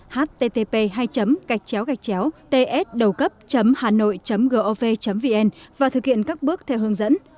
http tsđầucấp hanoi gov vn và thực hiện các bước theo hướng dẫn